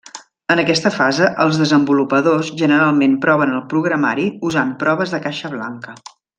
En aquesta fase, els desenvolupadors generalment proven el programari usant proves de caixa blanca.